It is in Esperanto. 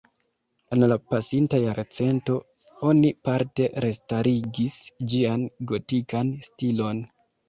En la pasinta jarcento oni parte restarigis ĝian gotikan stilon.